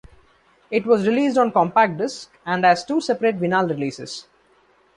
It was released on compact disc and as two separate vinyl releases.